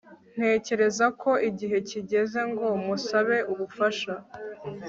Ntekereza ko igihe kigeze ngo musabe ubufasha